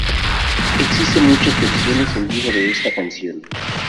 Existen muchas versiones en vivo de esta canción.